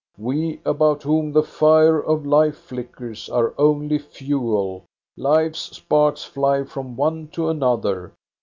We about whom the fire of life flickers are only fuel. Life's sparks fly from one to another.